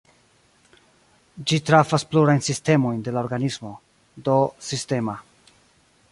Ĝi trafas plurajn sistemojn de la organismo (do "sistema").